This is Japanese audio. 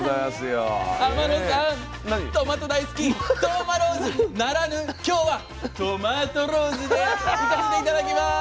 トマト大好き當間ローズならぬ今日はトマトローズで行かせて頂きます。